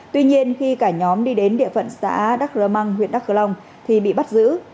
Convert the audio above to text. tuy nhiên khi cả nhóm đi đến địa phận xã đắc rơ măng huyện đắk cờ long thì bị bắt giữ